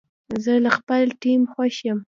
زه له خپل ټیم خوښ یم.